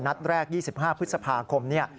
นัดแรก๒๕พฤษภาคม